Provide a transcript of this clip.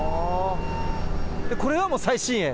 これはもう最新鋭？